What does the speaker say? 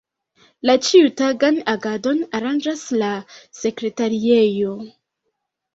La ĉiutagan agadon aranĝas la Sekretariejo.